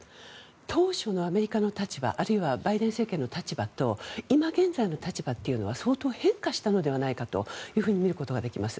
当初のアメリカの立場あるいはバイデン政権の立場と今現在の立場というのは相当、変化したのではないかと見ることができます。